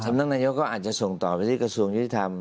นักนายกก็อาจจะส่งต่อไปที่กระทรวงยุติธรรม